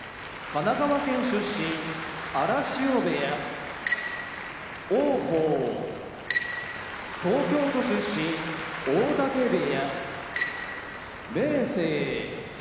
神奈川県出身荒汐部屋王鵬東京都出身大嶽部屋明生